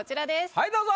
はいどうぞ。